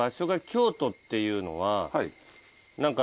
っていうのは何か。